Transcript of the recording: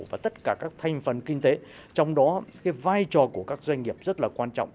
và tất cả các thành phần kinh tế trong đó cái vai trò của các doanh nghiệp rất là quan trọng